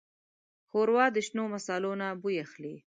ښوروا د شنو مصالو نه بوی اخلي.